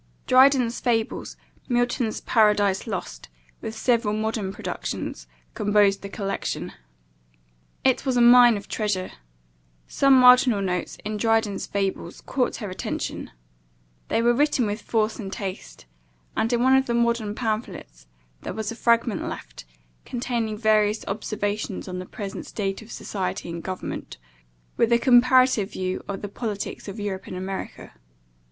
Dryden's Fables, Milton's Paradise Lost, with several modern productions, composed the collection. It was a mine of treasure. Some marginal notes, in Dryden's Fables, caught her attention: they were written with force and taste; and, in one of the modern pamphlets, there was a fragment left, containing various observations on the present state of society and government, with a comparative view of the politics of Europe and America.